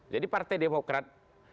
jadi partai demokrat